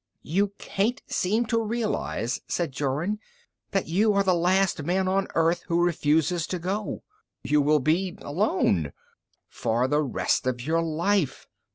"You can't seem to realize," said Jorun, "that you are the last man on Earth who refuses to go. You will be alone. For the rest of your life!